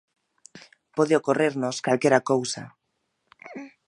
Pode ocorrernos calquera cousa.